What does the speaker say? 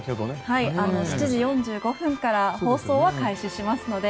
７時４５分から放送は開始しますので。